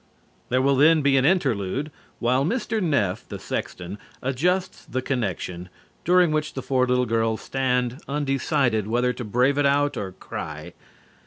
There will then be an interlude while Mr. Neff, the sexton, adjusts the connection, during which the four little girls stand undecided whether to brave it out or cry.